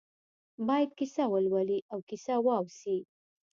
باید کیسه ولولي او کیسه واوسي.